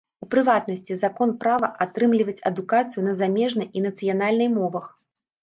У прыватнасці, закон права атрымліваць адукацыю на замежнай і нацыянальнай мовах.